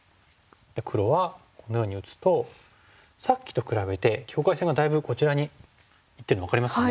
黒はこのように打つとさっきと比べて境界線がだいぶこちらにいってるの分かりますかね。